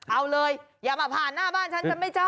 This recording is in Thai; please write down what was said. เอาเลยอย่ามาผ่านหน้าบ้านฉันฉันไม่ชอบ